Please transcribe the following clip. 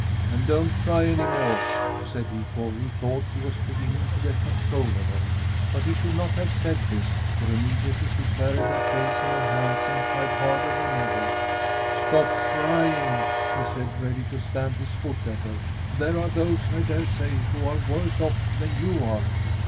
"And don't cry any more!" said he, for he thought he was beginning to get control over her. But he should not have said this, for immediately she buried her face in her hands and cried harder than ever. "Stop crying!" he said, ready to stamp his foot at her. "There are those, I dare say, who are worse off than you are."